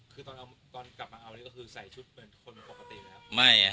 คือตอนกลับมาเอานี่ก็คือใส่ชุดเหมือนคนปกติไหมครับ